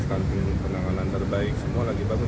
standar penanganan terbaik semua lagi bagus